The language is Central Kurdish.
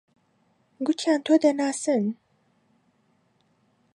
گوتیان تۆ دەناسن.